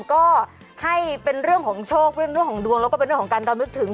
ก็ให้เป็นเรื่องของโชคเรื่องของดวงแล้วก็เป็นเรื่องของการรำลึกถึง